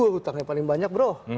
wah hutangnya paling banyak bro